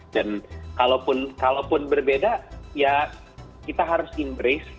dan kalaupun berbeda ya kita harus embrace